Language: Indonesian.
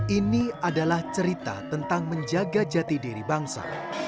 ini adalah cerita tentang menjaga jati diri bangsa